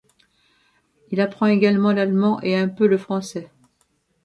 Il apprend également l’allemand et un peu le français.